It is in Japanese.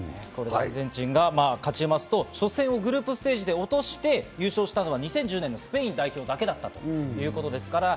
アルゼンチンが勝ちますと初戦をグループステージで落として、優勝したのは２０１０年のスペイン代表だけだったということですから。